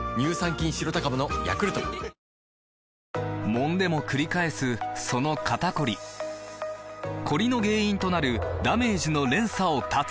もんでもくり返すその肩こりコリの原因となるダメージの連鎖を断つ！